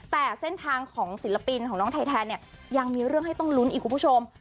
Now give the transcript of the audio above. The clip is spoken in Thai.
แต่เส้นทางของศิลปินของน้องไทยแทนเนี่ยยังมีเรื่องให้ต้องลุ้นอีกคุณผู้ชม